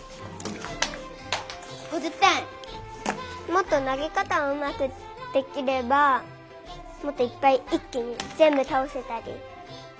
もっとなげかたをうまくできればもっといっぱいいっきにぜんぶたおせたり。